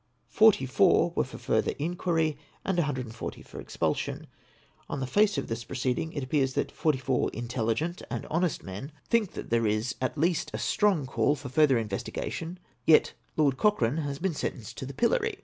Forty four were for further inquiry, and 140 for expulsion. On the face of this proceed ing it appears that forty four intelligent and honest men 486 APPENDIX XX. think that there is at least a stronof call for further investicfa tion, yet Lord Cochrane has been sentenced to the pUlory!